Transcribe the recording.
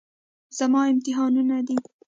زما امتحانونه دي.